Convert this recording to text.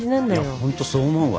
本当そう思うわ。